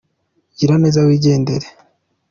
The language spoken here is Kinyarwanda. Gira neza wigendere.